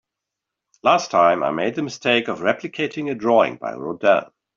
Last time, I made the mistake of replicating a drawing by Rodin.